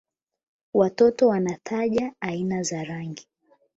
Watoto wanataja aina za rangi